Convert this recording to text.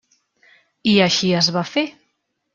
I així es va fer.